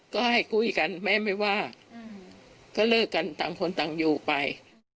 ก็ให้คุยกันแม่ไม่ว่าก็เลิกกันต่างคนต่างอยู่ไป